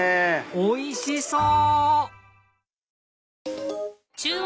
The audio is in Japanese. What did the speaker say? おいしそう！